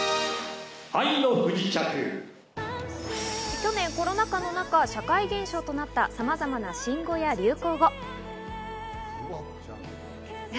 去年コロナ禍の中、社会現象となったさまざまな新語や流行語。